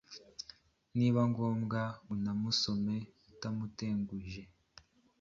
nibiba ngombwa unamusome utamuteguje